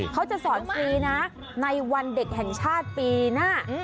เขาจะสอนฟรีนะในวันเด็กแห่งชาติปีหน้า